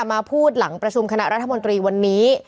มาพูดหลังประชุมคณะรัฐมนตรีวันนี้